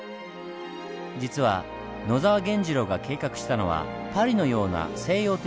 実は野沢源次郎が計画したのはパリのような西洋的な町並み。